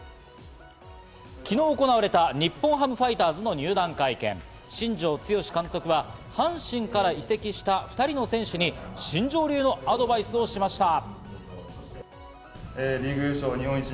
昨日行われた日本ハムファイターズの入団会見、新庄剛志監督は阪神から移籍した２人の選手に新庄流のアドバイスをしました。